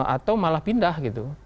atau malah pindah